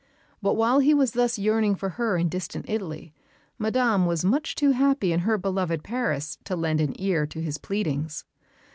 But while he was thus yearning for her in distant Italy, Madame was much too happy in her beloved Paris to lend an ear to his pleadings.